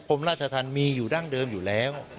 กรมราชธรรมมีอยู่ดั้งเดิมอยู่แล้ว